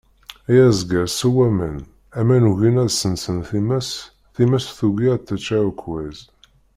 Ay azger sew aman, aman ugin ad sensen times, times tugi ad tečč aɛekkaz.